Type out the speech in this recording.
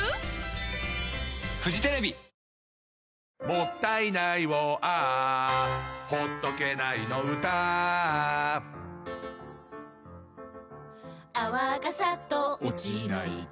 「もったいないをＡｈ」「ほっとけないの唄Ａｈ」「泡がサッと落ちないと」